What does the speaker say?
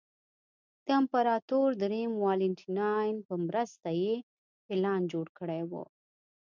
د امپراتور درېیم والنټیناین په مرسته یې پلان جوړ کړی و